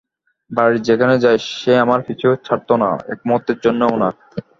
বাড়ির যেখানেই যাই, সে আমার পিছু ছাড়ত না, একমুহূর্তের জন্যেও না।